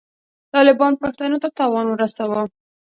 طالبانو پښتنو ته تاوان ورساوه.